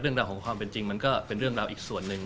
เรื่องราวของความเป็นจริงมันก็เป็นเรื่องราวอีกส่วนหนึ่ง